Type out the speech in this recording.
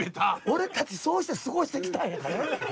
俺たちそうして過ごしてきたんやからな。